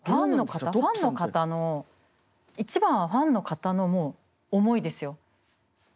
ファンの方の一番はファンの方の思いですよ。